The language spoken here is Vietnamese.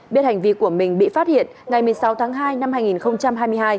biết hành vi của mình bị phát hiện ngày một mươi sáu tháng hai năm hai nghìn hai mươi hai